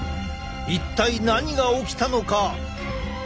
一体何が起きたのか？